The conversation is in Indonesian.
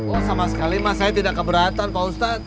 oh sama sekali mas saya tidak keberatan pak ustadz